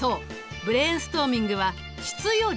ブレーンストーミングは質より量。